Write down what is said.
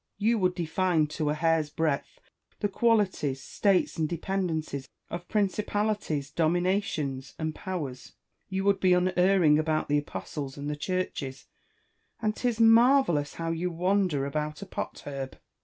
You would define to a hair's breadth the qualities, states, and dependencies of Principalities, Dominations, and Powers ; you would bo unerring about the Apostles and the Churches ; and 'tis marvellous how you wander about a pot herb